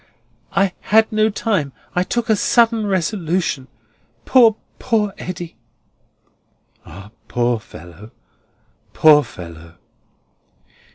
"I had no time. I took a sudden resolution. Poor, poor Eddy!" "Ah, poor fellow, poor fellow!"